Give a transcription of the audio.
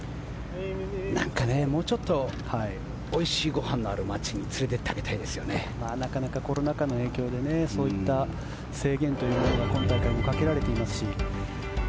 もうちょっとおいしいご飯のある街になかなかコロナ禍の影響でそういった制限というのが今大会もかけられていますし。